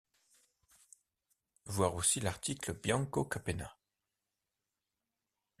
Voir aussi l'article Bianco Capena.